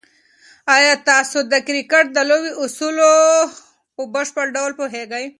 آیا تاسو د کرکټ د لوبې اصول په بشپړ ډول پوهېږئ؟